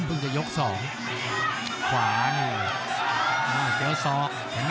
พึ่งจะยกสองขวานี่อ่าเจ้าซ้อน